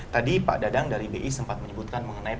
tadi pak dadang dari bi sempat menyebutkan mengenai